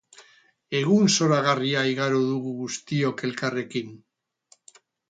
Egun zoragarria igaro dugu guztiok elkarrekin